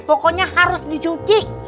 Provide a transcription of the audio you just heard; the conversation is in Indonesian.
pokoknya harus dicuci